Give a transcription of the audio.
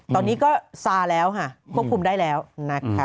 ตอนนี้ก็ซาแล้วค่ะควบคุมได้แล้วนะคะ